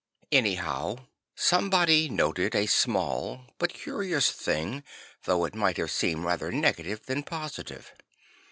Any how, somebody noted a small but curious thing, though it might seem rather negative than posi tive.